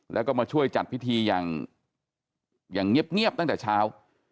แล้วก็มาช่วยจัดพิธีอย่างเงียบตั้งแต่เช้า